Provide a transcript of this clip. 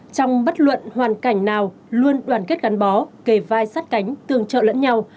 trong bất luận hoàn cảnh nào luôn đoàn kết gắn bó kề vai sát cánh tương trợ lẫn nhau